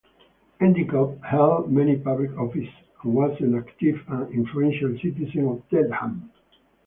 Endicott held many public offices and was an active and influential citizen of Dedham.